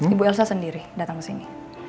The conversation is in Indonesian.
ibu elsa sendiri datang ke sini